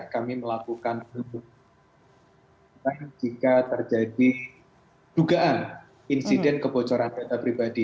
kami melakukan jika terjadi dugaan insiden kebocoran data pribadi